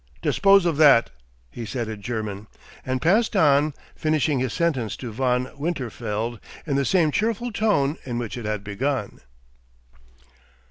"Dispose of that," he said in German, and passed on, finishing his sentence to Von Winterfeld in the same cheerful tone in which it had begun.